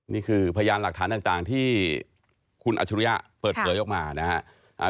นี่คือพยานหลักฐานต่างที่คุณอัจฉริยะเปิดเผยออกมานะครับ